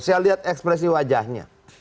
saya lihat ekspresi wajahnya